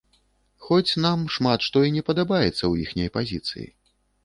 Хоць нам шмат што і не падабаецца ў іхняй пазіцыі.